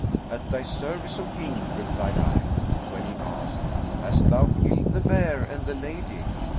'At thy service, O King,' replied I; when he asked, 'Hast thou killed the bear and the lady?'